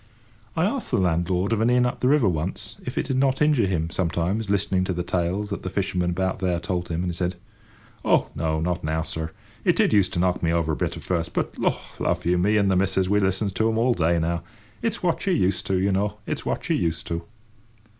I asked the landlord of an inn up the river once, if it did not injure him, sometimes, listening to the tales that the fishermen about there told him; and he said: "Oh, no; not now, sir. It did used to knock me over a bit at first, but, lor love you! me and the missus we listens to 'em all day now. It's what you're used to, you know. It's what you're used to."